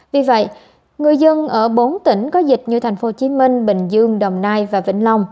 vì vậy người dân ở bốn tỉnh có dịch như tp hcm bình dương đồng nai và vĩnh long